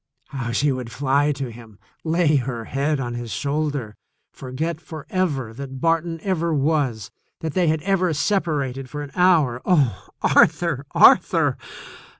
How she would fly to him, lay her head on his shoulder, forget forever that Barton ever was, that they had ever separated for an hour. Oh, Arthur! Arthur!